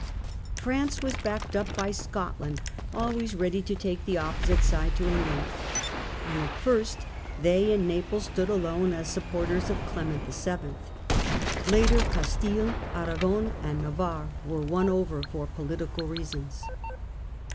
France was backed up by Scotland, always ready to take the opposite side to Eng land ; and at first they and Naples stood alone as sup porters of Clement VII. Later Castile, Aragon and Navarre were won over for political reasons.